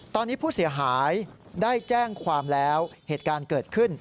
ตอนนี้ผู้เสียหายได้แจ้งความแล้วเหตุการณ์เกิดขึ้น